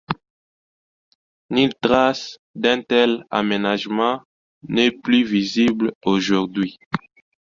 Nulle trace d’un tel aménagement n’est plus visible aujourd’hui.